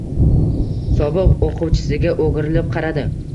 Sobiq oʻquvchisiga oʻgirilib qaradi